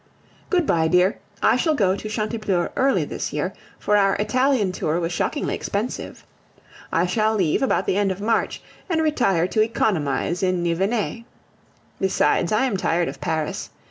Good bye, dear, I shall go to Chantepleurs early this year, for our Italian tour was shockingly expensive. I shall leave about the end of March, and retire to economize in Nivenais. Besides, I am tired of Paris.